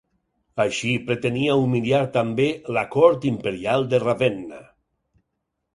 Així, pretenia humiliar també la cort imperial de Ravenna.